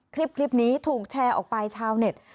คลิปนี้ถูกแชร์ออกไปชาวเน็ต